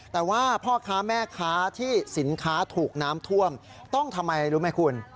แต่ว่าพ่อค้าแม่ค้าที่สินค้าถูกน้ำท่วมต้องทำไมรู้ไหมคุณ